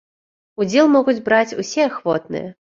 Удзел могуць браць усе ахвотныя.